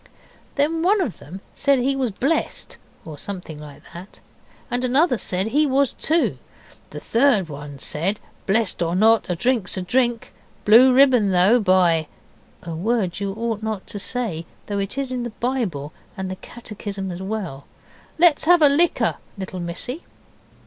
Then one of them said he was blessed, or something like that, and another said he was too. The third one said, 'Blessed or not, a drink's a drink. Blue ribbon, though, by ' (a word you ought not to say, though it is in the Bible and the catechism as well). 'Let's have a liquor, little missy.